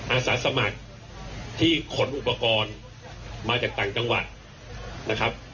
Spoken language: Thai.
อาสาสมัครที่ขนอุปกรณ์มาจากต่างจังหวัดนะครับ